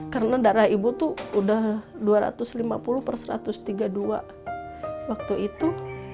karena darah ibu tuh udah dua ratus lima puluh per satu ratus tiga puluh dua waktu itu